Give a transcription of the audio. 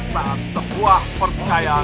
saat sebuah percaya